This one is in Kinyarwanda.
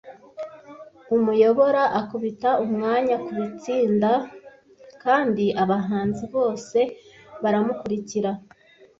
Umuyobora akubita umwanya kubitsinda kandi abahanzi bose baramukurikira,